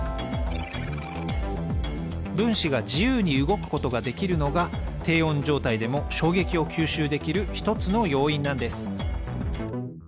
分子が自由に動くことができるのが低温状態でも衝撃を吸収できる一つの要因なんです